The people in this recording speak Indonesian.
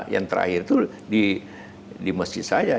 yang terakhir itu di masjid saya